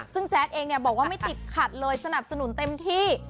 ซึ่งแจ๊ดเองเนี่ยบอกว่าไม่ติดขัดเลยสนับสนุนเต็มที่